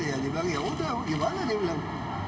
ya udah gimana dia bilang